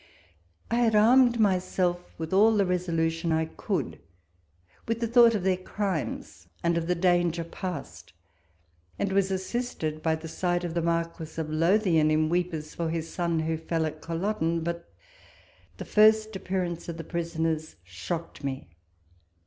I had armed myself with all the resolution I could, with the thought of their crimes and of the danger past, and was assisted by the sight of the Marquis of Lothian in weepers for his son who fell at CuUoden — but the first appearance of the prisoners shocked me